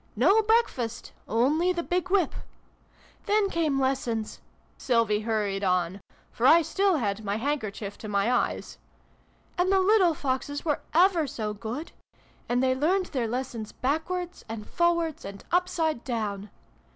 No breakfast ! Only the big whip ! Then came lessons," Sylvie hurried on, for I still had my handkerchief to my eyes. " And the little Foxes were ever so good ! And they learned their lessons backwards, and forwards, and upside down.